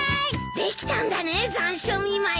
できたんだね残暑見舞い。